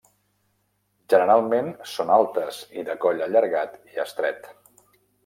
Generalment són altes i de coll allargat i estret.